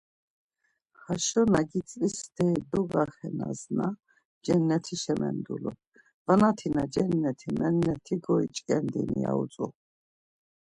Haşo na gitzvi steri dogaxenasna cennetişa mendulur, vanatina cenneti menneti goiç̌ǩendini ya utzu.